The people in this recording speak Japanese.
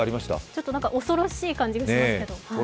ちょっと恐ろしい感じがしますけど。